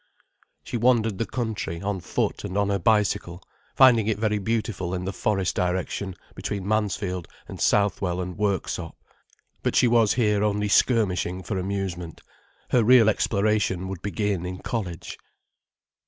She wandered the country, on foot and on her bicycle, finding it very beautiful in the forest direction, between Mansfield and Southwell and Worksop. But she was here only skirmishing for amusement. Her real exploration would begin in college.